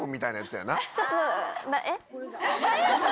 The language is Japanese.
えっ？